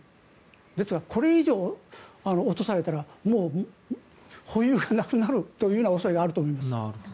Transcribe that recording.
実はこれ以上、落とされたらもう保有がなくなるというような恐れがあると思います。